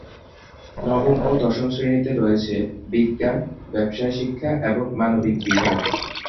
নবম ও দশম শ্রেণীতে রয়েছে বিজ্ঞান, ব্যাবসায় শিক্ষা এবং মানবিক বিভাগ।